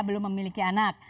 belum memiliki anak